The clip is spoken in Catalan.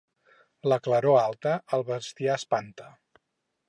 La claror alta el bestiar espanta.